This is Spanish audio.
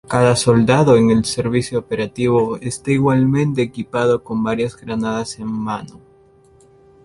Cada soldado en el servicio operativo, está igualmente equipado con varias granadas de mano.